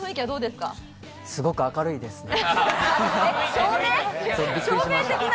すごく明るいですね。